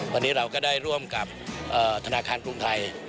วันนี้เราก็ได้ร่วมกับธนาคารกรุงไทย